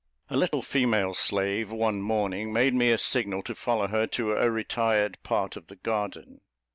A little female slave, one morning, made me a signal to follow her to a retired part of the garden.